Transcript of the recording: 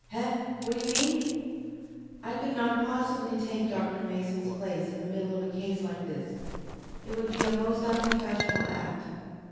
"Heh! what d'ye mean?" "I could not possibly take Dr. Mason's place in the middle of a case like this. It would be a most unprofessional act."